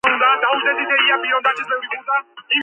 გარს აკრავს წყნარი ოკეანის წყლები.